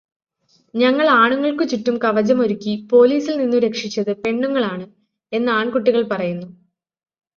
ഞങ്ങള് ആണുങ്ങള്ക്കു ചുറ്റും കവചമൊരുക്കി പോലീസില്നിന്നു രക്ഷിച്ചത് പെണ്ണുങ്ങളാണ്’ എന്ന് ആണ്കുട്ടികള് പറയുന്നു